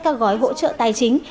các gói hỗ trợ tài chính